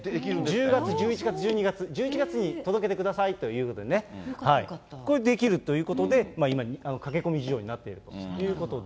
１０月、１１月、１２月、１２月に届けてくださいっていうことでね、これ、できるということで、今、駆け込み需要になっているということで。